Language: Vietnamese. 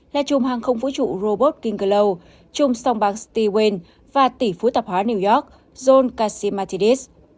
là chùm hàng không vũ trụ robot king glow chùm song băng steven và tỷ phú tạp hóa new york john cassimatidis